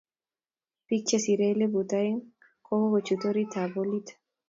Bik che siri elput aeng kokochut orit ab holit